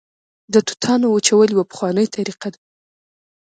د توتانو وچول یوه پخوانۍ طریقه ده